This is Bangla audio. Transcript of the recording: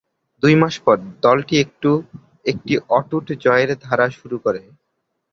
দুই মাস পর, দলটি একটি অটুট জয়ের ধারা শুরু করে।